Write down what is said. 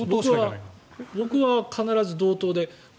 僕は必ず道東で。